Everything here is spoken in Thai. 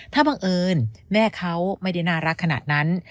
ถ้าบังเอิญแม่เขาไม่ได้น่ารักขนาดนั้น